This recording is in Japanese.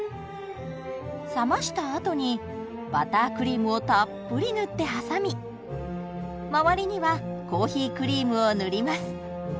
冷ましたあとにバタークリームをたっぷり塗って挟みまわりにはコーヒークリームを塗ります。